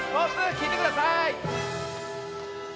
きいてください！